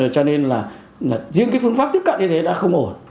cho nên là riêng cái phương pháp tiếp cận như thế đã không ổn